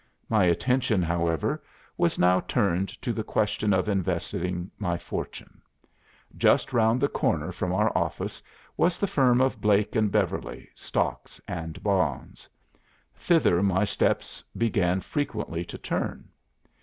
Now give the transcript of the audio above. My attention, however, was now turned to the question of investing my fortune. Just round the corner from our office was the firm of Blake and Beverly, Stocks and Bonds. Thither my steps began frequently to turn.